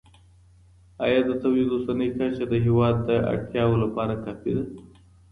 ایا د تولید اوسنۍ کچه د هیواد د اړتیاوو لپاره کافي ده؟